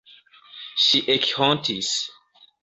Ŝi ekhontis.